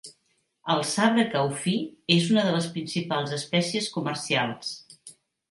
El sabre cuafí és una de les principals espècies comercials.